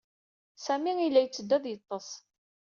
Sami yella itteddu ad yeṭṭes.